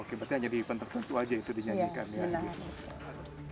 oke berarti hanya di event tertentu saja itu dinyanyikan